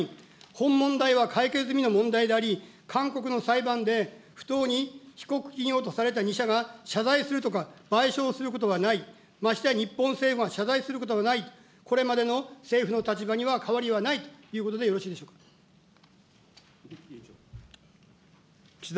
本問題は解決済みの問題であり、韓国の裁判で不当に被告企業とされた２社が、謝罪するとか賠償することはない、ましてや日本政府が謝罪することはないと、これまでの政府の立場には変わりはないということでよ岸田